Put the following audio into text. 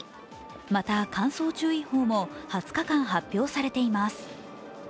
また乾燥注意報も２０日間、発表されています。